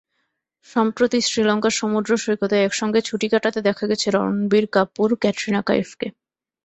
সম্প্রতি শ্রীলঙ্কার সমুদ্র সৈকতে একসঙ্গে ছুটি কাটাতে দেখা গেছে রণবীর কাপুর-ক্যাটরিনা কাইফকে।